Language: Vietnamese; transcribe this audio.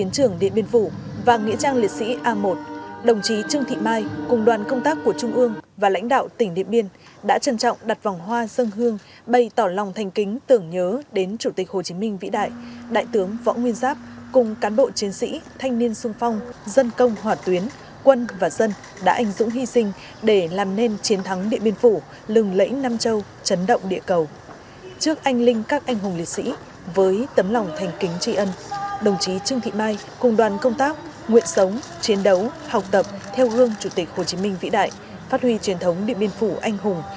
cùng đoàn công tác nguyện sống chiến đấu học tập theo gương chủ tịch hồ chí minh vĩ đại phát huy truyền thống địa biên phủ anh hùng